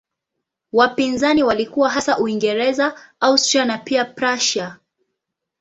Wapinzani walikuwa hasa Uingereza, Austria na pia Prussia.